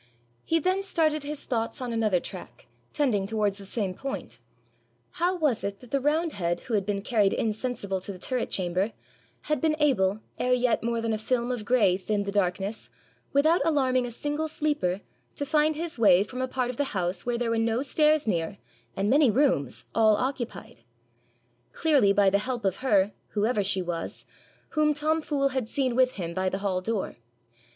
He then started his thoughts on another track, tending towards the same point: how was it that the roundhead, who had been carried insensible to the turret chamber, had been able, ere yet more than a film of grey thinned the darkness, without alarming a single sleeper, to find his way from a part of the house where there were no stairs near, and many rooms, all occupied? Clearly by the help of her, whoever she was, whom Tom Fool had seen with him by the hall door.